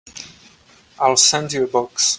I'll send you a box.